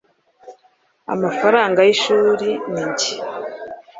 amafaranga y’ishuri ni njye